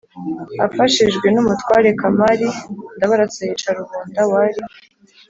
Afashijwe n umutware Kamari Ndabarasa yica Rubunda wari